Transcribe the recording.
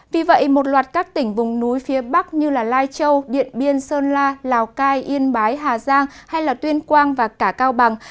vì vậy một loạt các tỉnh vùng núi phía bắc như lai châu điện biên sơn la lào cai yên bái hà giang hay tuyên quang và cả cao bằng